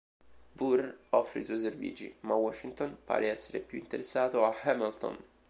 Burr offre i suoi servigi, ma Washington pare essere più interessato a Hamilton.